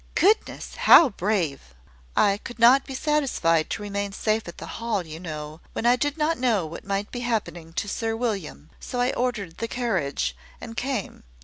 "Goodness! how brave!" "I could not be satisfied to remain safe at the Hall, you know, when I did not know what might be happening to Sir William; so I ordered the carriage, and came.